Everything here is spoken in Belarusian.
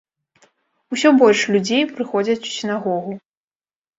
Усё больш людзей прыходзяць у сінагогу.